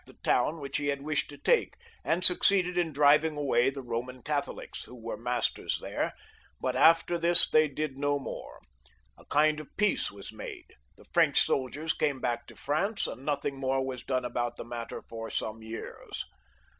the town which he had wished to take, and succeeded in driving away the Eoman Catholics, who weremaste^ there, but after this they did no more; a kind of peace was made ; the French soldiers came back to France, and nothing more was done about the matter for some years.